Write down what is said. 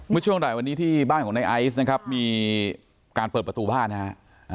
เมื่อช่วงใดวันนี้ที่บ้านของนายไอซ์นะครับมีการเปิดประตูบ้านนะครับ